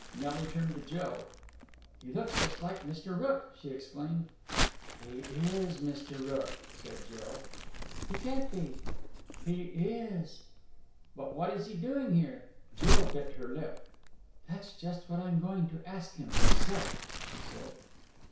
Nelly turned to Jill. "He looks just like Mr. Rooke!" she exclaimed. "He is Mr. Rooke!" said Jill. "He can't be!" "He is!" "But what is he doing here?" Jill bit her lip. "That's just what I'm going to ask him myself," she said.